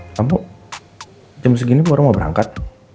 eh kamu jam segini baru mau berangkat